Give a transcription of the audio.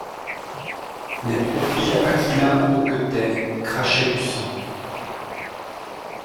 Les profils aquilins hoquetaient, crachaient du sang.